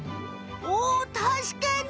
おおたしかに！